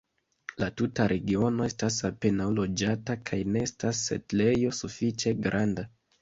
La tuta regiono estas apenaŭ loĝata kaj ne estas setlejo sufiĉe granda.